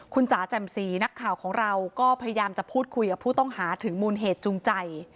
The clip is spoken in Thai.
คุณจ๋าแจ่มสีนักข่าวของเราก็พยายามจะพูดคุยกับผู้ต้องหาถึงมูลเหตุจูงใจ